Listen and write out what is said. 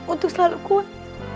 untuk selalu kuat